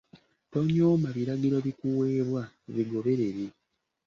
Tonyooma biragiro bikuweebwa, bigoberere.